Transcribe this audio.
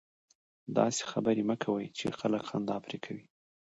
داسي خبري مه کوئ! چي خلک خندا پر کوي.